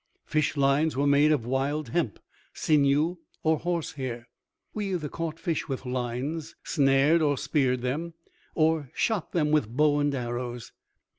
Fish lines were made of wild hemp, sinew or horse hair. We either caught fish with lines, snared or speared them, or shot them with bow and arrows.